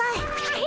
え？